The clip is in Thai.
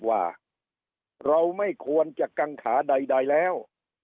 ว่าเราไม่ควรจะกังขาใดแล้ว